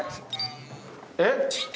えっ。